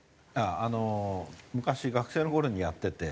あの昔学生の頃にやってて。